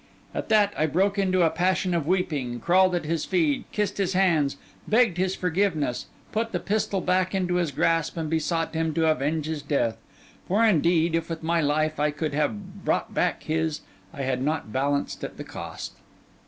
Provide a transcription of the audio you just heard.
At that, I broke into a passion of weeping, crawled at his feet, kissed his hands, begged his forgiveness, put the pistol back into his grasp and besought him to avenge his death; for indeed, if with my life I could have bought back his, I had not balanced at the cost.